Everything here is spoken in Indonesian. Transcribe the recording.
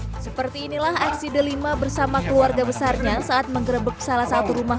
hai seperti inilah aksi delima bersama keluarga besarnya saat mengerebek salah satu rumah